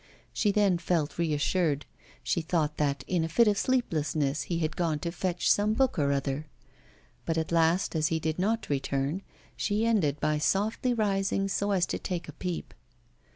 She then felt reassured, she thought that in a fit of sleeplessness he had gone to fetch some book or other; but at last, as he did not return, she ended by softly rising so as to take a peep.